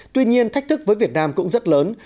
tuy nhiên thách thức với việt nam cũng rất lớn